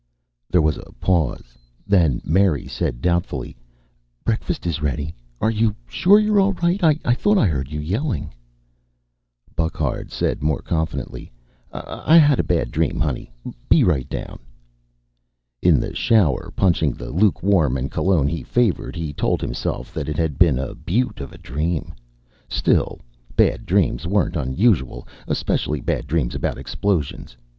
There was a pause. Then Mary said doubtfully, "Breakfast is ready. Are you sure you're all right? I thought I heard you yelling " Burckhardt said more confidently, "I had a bad dream, honey. Be right down." In the shower, punching the lukewarm and cologne he favored, he told himself that it had been a beaut of a dream. Still, bad dreams weren't unusual, especially bad dreams about explosions.